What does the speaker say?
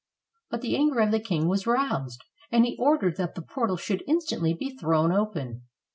But the anger of the king was roused, and he ordered that the portal should instantly be thrown open.